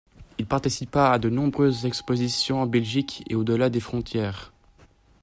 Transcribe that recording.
Il participa à de nombreuses expositions en Belgique et au-delà des frontières.